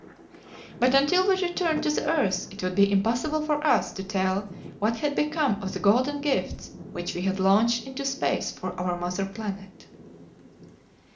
But until we returned to the earth it would be impossible for us to tell what had become of the golden gifts which we had launched into space for our mother planet.